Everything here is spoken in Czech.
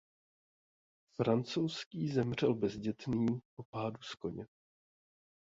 Francouzský zemřel bezdětný po pádu z koně.